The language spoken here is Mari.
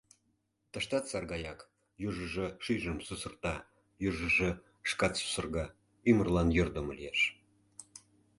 — Тыштат сар гаяк: южыжо шӱйжым сусырта, южыжо шкат сусырга, ӱмырлан йӧрдымӧ лиеш.